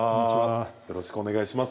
よろしくお願いします。